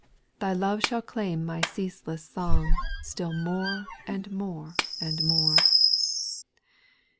Thy love shall claim my ceaseless song, still more, and more, and more.